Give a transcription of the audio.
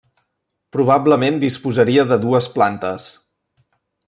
Probablement disposaria de dues plantes.